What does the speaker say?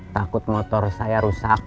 takut motor saya rusak